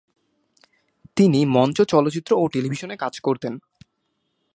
তিনি মঞ্চ, চলচ্চিত্র ও টেলিভিশনে কাজ করতেন।